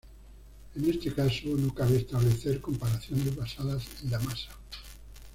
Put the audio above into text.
En este caso, no cabe establecer comparaciones basadas en la masa.